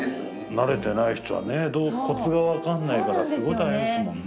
慣れてない人はねコツが分かんないからすごい大変ですもんね。